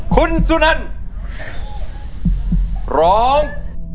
คุณสุนันร้อง